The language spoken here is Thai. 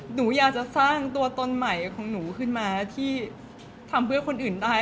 หนูอยากจะสร้างตัวตนใหม่ของหนูขึ้นมาที่ทำเพื่อคนอื่นได้